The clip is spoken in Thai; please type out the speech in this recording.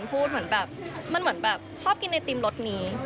พูดเหมือนแบบมันเหมือนแบบชอบกินไอติมรสนี้